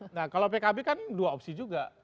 nah kalau pkb kan dua opsi juga